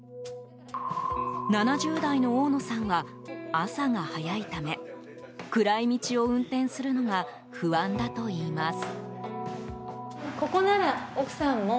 ７０代の大野さんは朝が早いため暗い道を運転するのが不安だといいます。